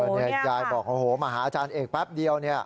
ในแยกย้ายบอกโอ้โหมาหาอาจารย์เอกแป๊บเดียว